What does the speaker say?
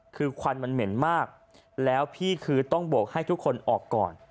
คือควันมันเหม็นมากแล้วพี่คือต้องโบกให้ทุกคนออกก่อน